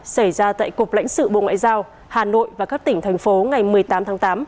xảy ra tại cục lãnh sự bộ ngoại giao hà nội và các tỉnh thành phố ngày một mươi tám tháng tám